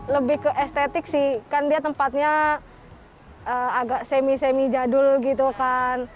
lebih ke estetik sih kan dia tempatnya agak semi semi jadul gitu kan